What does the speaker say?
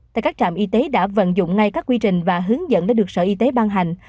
tại các trạm y tế đã vận dụng ngay các quy trình và hướng dẫn đã được sở y tế ban hành